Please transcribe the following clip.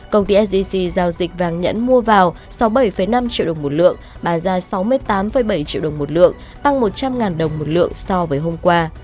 công ty sgc giao dịch vàng nhẫn mua vào sáu mươi bảy năm triệu đồng một lượng bán ra sáu mươi tám bảy triệu đồng một lượng tăng một trăm linh đồng một lượng so với hôm qua